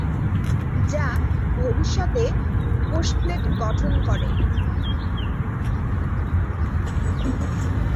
যা ভবিষ্যতে কোষ প্লেট গঠন করে।